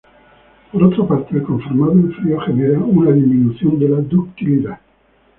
Por otra parte, el conformado en frío genera una disminución de la ductilidad